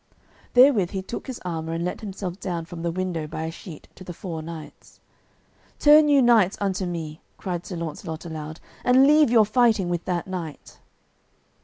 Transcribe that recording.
Therewith he took his armour and let himself down from the window by a sheet to the four knights. "Turn you knights unto me," cried Sir Launcelot aloud, "and leave your fighting with that knight."